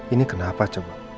ini kenapa com